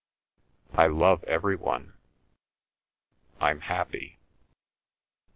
"I love every one. I'm happy."